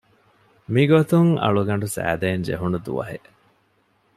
މިގޮތުން އަޅުގަނޑު ސައިދޭންޖެހުނު ދުވަހެއް